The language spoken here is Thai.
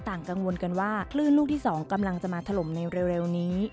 กังวลกันว่าคลื่นลูกที่๒กำลังจะมาถล่มในเร็วนี้